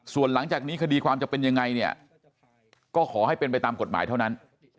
ส่วนหลังจากนี้คดีความจะเป็นยังไงเนี่ยก็ขอให้เป็นไปตามกฎหมายเท่านั้น